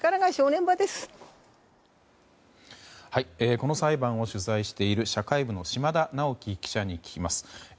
この裁判を取材している社会部の島田直樹記者に聞きます。